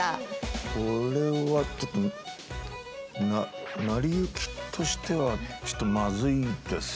これはちょっと成り行きとしてはちょっとまずいですよね？